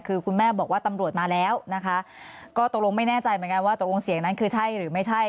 คือคุณแม่บอกว่าตำรวจมาแล้วนะคะก็ตกลงไม่แน่ใจเหมือนกันว่าตกลงเสียงนั้นคือใช่หรือไม่ใช่